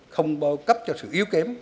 không bao cấp cho sự yếu kém